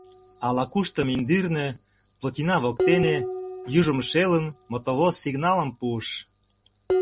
Ала-кушто мӱндырнӧ, плотина воктене, южым шелын, мотовоз сигналым пуыш.